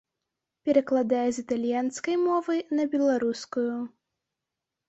Перакладае з італьянскай мовы на беларускую.